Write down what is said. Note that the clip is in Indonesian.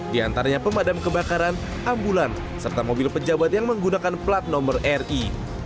di antaranya pemadam kebakaran ambulan serta mobil pejabat yang menggunakan plat nomor ri